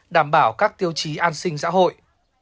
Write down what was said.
đảm bảo các tiêu chí an sinh xã hội